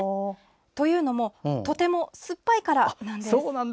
というのもとてもすっぱいからなんですね。